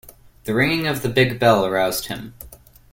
The ringing of the big bell aroused him.